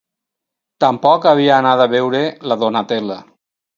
Tampoc havia anat a veure la Donatella.